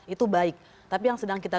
itu baik tapi yang sedang kita